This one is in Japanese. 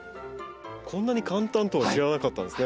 こんなに簡単とは知らなかったですね。